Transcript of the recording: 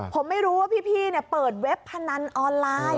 ผมไม่รู้ว่าพี่เปิดเว็บพนันออนไลน์